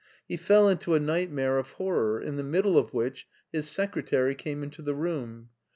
He fell into a nightmare of horror, in the middle of which his secretary came into the room.